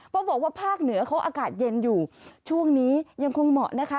เพราะบอกว่าภาคเหนือเขาอากาศเย็นอยู่ช่วงนี้ยังคงเหมาะนะคะ